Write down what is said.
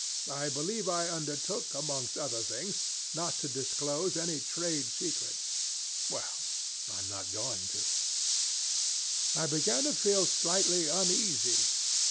I believe I undertook amongst other things not to disclose any trade secrets. Well, I am not going to. "I began to feel slightly uneasy.